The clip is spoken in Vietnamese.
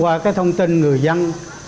qua cái thông tin người dân